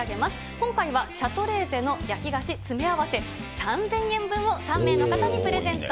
今回はシャトレーゼの焼き菓子詰め合わせ３０００円分を３名の方にプレゼント。